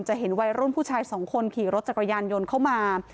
เห็นวัยรุ่นผู้ชายสองคนขี่รถจักรยานยนต์เข้ามา